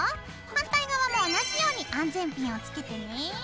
反対側も同じように安全ピンをつけてね。